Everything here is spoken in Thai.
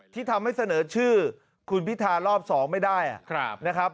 ที่ทำให้เสนอชื่อคุณพิธารอบ๒ไม่ได้นะครับ